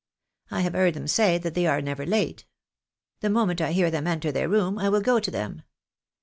I have heard them say that they are never late. The moment I hear them enter their room I will go to them.